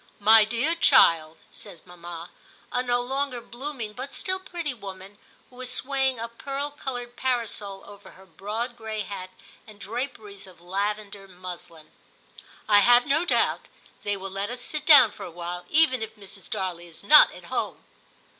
* My dear child/ says mamma, a no longer blooming, but still pretty woman, who was swaying a pearl coloured parasol over her broad gray hat and draperies of lavender muslin, * I have no doubt they will let us sit down for a little, even if Mrs. Darley is not at home.'